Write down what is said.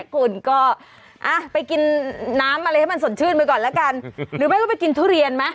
คุณก็ไปกินน้ำอะไรให้มันสดชื่นไปก่อนแล้วกันหรือไม่ก็ไปกินทุเรียนไหม